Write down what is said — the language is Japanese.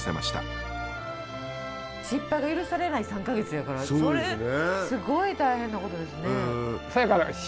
失敗が許されない３か月やからそれスゴい大変なことですね。